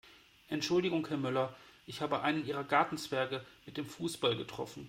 Entschuldigung Herr Müller, ich habe einen Ihrer Gartenzwerge mit dem Fußball getroffen.